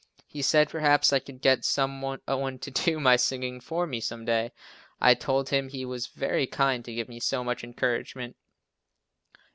He said perhaps I could get some one to do my singing for me, some day. I told him he was very kind to give me so much encouragement.